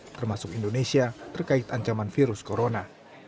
termasuk indonesia terkait ancaman virus corona